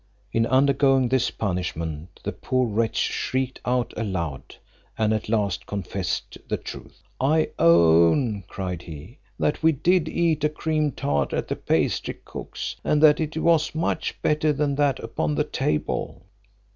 In undergoing this punishment, the poor wretch shrieked out aloud, and at last confessed the truth; "I own," cried he, "that we did eat a cream tart at the pastry cook's, and that it was much better than that upon the table."